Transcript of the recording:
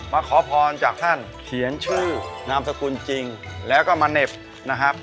ขอพรจากท่านเขียนชื่อนามสกุลจริงแล้วก็มาเหน็บนะครับ